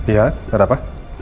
ya ada apa